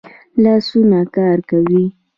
لاسونه کار کوي